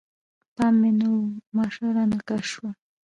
پام مې نه و، ماشه رانه کش شوه.